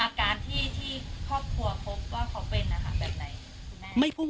แล้วก็อาการที่ชีวิตที่ที่พ่อควร